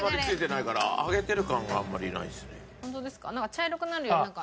茶色くなるよりなんか。